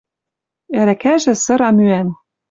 Ӓрӓкӓжӹ, сыра мӱӓн